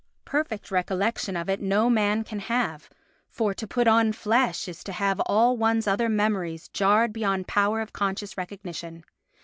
Perfect recollection of it no man can have, for to put on flesh is to have all one's other memories jarred beyond power of conscious recognition.